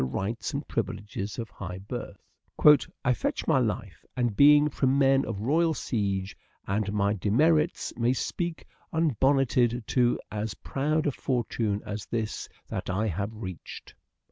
rights and privileges of high birth :" I fetch my life and being From men of royal siege, and my demerits May speak unbonneted to as proud a fortune As this that I have reached."